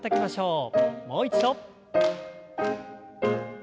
もう一度。